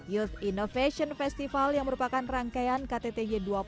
youth innovation festival yang merupakan rangkaian ktty dua puluh